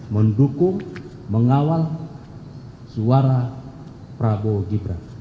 mendukung mengawal suara prabowo gibran